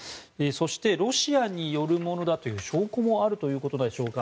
そしてロシアによるものだという証拠もあるということでしょうか。